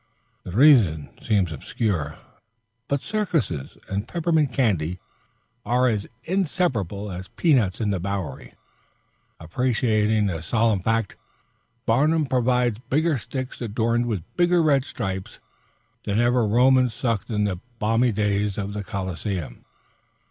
The reason seems obscure, but circuses and peppermint candy are as inseparable as peanuts and the Bowery. Appreciating this solemn fact, Barnum provides bigger sticks adorned with bigger red stripes than ever Romans sucked in the palmy days of the Coliseum.